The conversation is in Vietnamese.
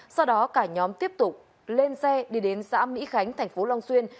sau đó cả nhóm tiếp tục lên xe đi đến xã mỹ khánh thành phố long xuyên